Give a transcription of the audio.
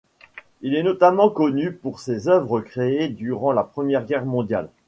Il est notamment connu pour ses œuvres créées durant la Première Guerre mondiale.